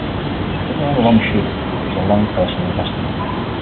When you're on a long shoot it is a long personal investment.